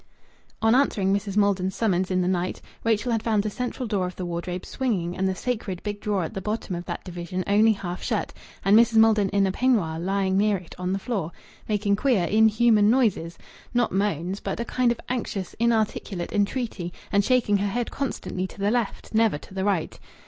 On answering Mrs. Maldon's summons in the night, Rachel had found the central door of the wardrobe swinging and the sacred big drawer at the bottom of that division only half shut, and Mrs. Maldon in a peignoir lying near it on the floor, making queer inhuman noises, not moans, but a kind of anxious, inarticulate entreaty, and shaking her head constantly to the left never to the right.